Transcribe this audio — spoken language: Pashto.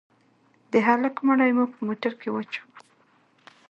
د هلك مړى مو په موټر کښې واچاوه.